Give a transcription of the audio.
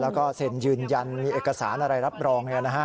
แล้วก็เซ็นยืนยันมีเอกสารอะไรรับรองอย่างนี้นะฮะ